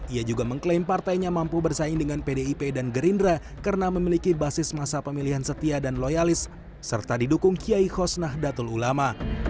ia juga mengklaim partainya mampu bersaing dengan pdip dan gerindra karena memiliki basis masa pemilihan setia dan loyalis serta didukung kiai khosnah datul ulama